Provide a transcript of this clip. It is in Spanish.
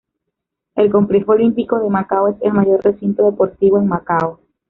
El Complejo Olímpico de Macao es el mayor recinto deportivo en Macao.